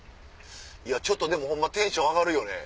ちょっとでもホンマテンション上がるよね。